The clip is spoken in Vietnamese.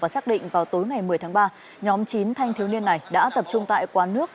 xác định vào tối ngày một mươi tháng ba nhóm chín thanh thiếu niên này đã tập trung tại quán nước